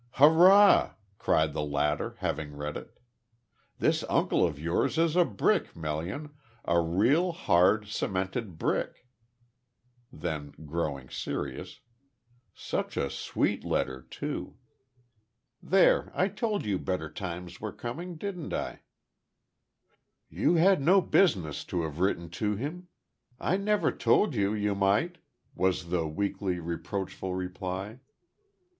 "Hurrah!" cried the latter, having read it. "This uncle of yours is a brick, Melian a real hard, cemented brick." Then growing serious. "Such a sweet letter too. There, I told you better times were coming, didn't I?" "You had no business to have written to him. I never told you you might," was the weakly reproachful reply.